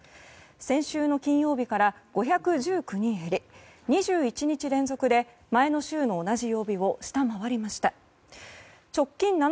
先週の金曜日から５１９人減り２１日連続で前の週の同じ曜日を下回りました。